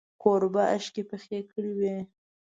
کوربه اشکې پخې کړې وې.